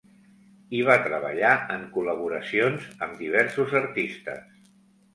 Hi va treballar en col·laboracions amb diversos artistes.